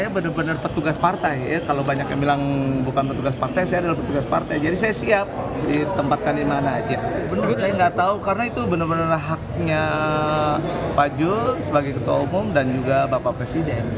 saya nggak tahu karena itu benar benar haknya pak jul sebagai ketua umum dan juga bapak presiden